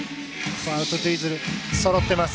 フォアアウトツイズルそろってます。